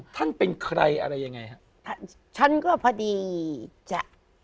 ท่านเป็นใครอะไรยังไงฮะ